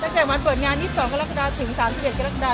จากวันเปิดงาน๒๒กรกฎาถึง๓๑กรกฎา